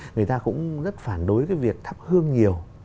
người ta cũng rất phản đối cái việc thắp hương nhiều